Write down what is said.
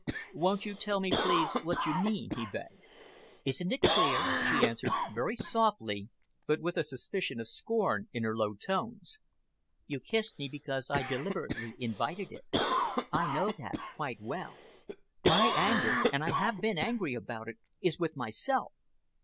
"Won't you tell me, please, what you mean?" he begged. "Isn't it clear?" she answered, very softly but with a suspicion of scorn in her low tones. "You kissed me because I deliberately invited it. I know that quite well. My anger and I have been angry about it is with myself."